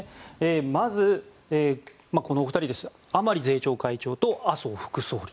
まず、このお二人甘利税調会長と麻生副総理。